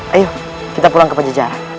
ayo kita pulang ke pajeja